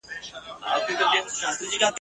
ما په غزل کي وه د حق پر جنازه ژړلي ..